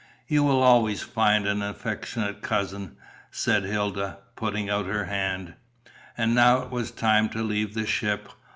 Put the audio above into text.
"You will always find an affectionate cousin," said Hilda, putting out her hand. And now it was time to leave the ship.